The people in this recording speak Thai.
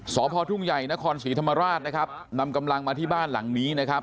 สพทุ่งใหญ่นครศรีธรรมราชนะครับนำกำลังมาที่บ้านหลังนี้นะครับ